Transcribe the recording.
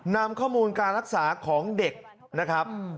นำข้อมูลการรักษาของเด็กนะครับ